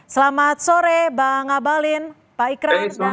selamat sore bang ngabalin pak ikrar dan mas zuhat